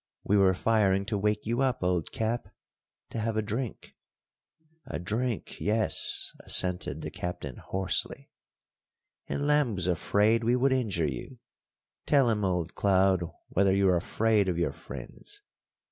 We were firing to wake you up, old Cap, to have a drink " "A drink yes," assented the Captain hoarsely. "And Lamb was afraid we would injure you. Tell him, old Cloud, whether you're afraid of your friends.